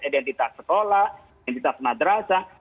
identitas sekolah identitas madrasah